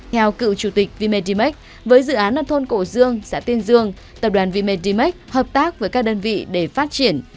theo cựu chủ tịch vimedimex với dự án nằm thôn cổ dương xã tiên dương tập đoàn vimedimex hợp tác với các đơn vị để phát triển